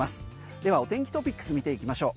ではお天気トピックス見ていきましょう。